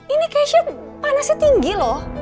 ini keisha panasnya tinggi loh